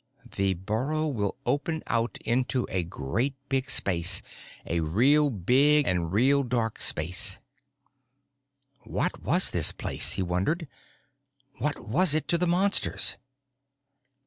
The burrow will open out into a great big space, a real big and real dark space. What was this place, he wondered? What was it to the Monsters?